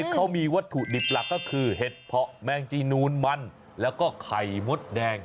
เขามีวัตถุดิบหลักก็คือเห็ดเพาะแมงจีนูนมันแล้วก็ไข่มดแดง